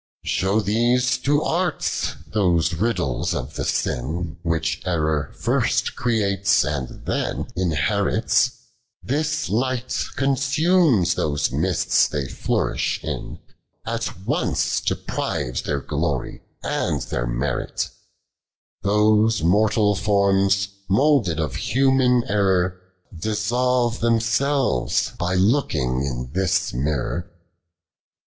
8hew these to Arts ; those riddlrs of the sin "Which error first creates, and tlien inlierits ; This light consumes thost' mists they flourish in. At once deprives their glory and their meiit ; Those mortal forms, moulded of humane error. Dissolve themselves by looking in this mirror. 108.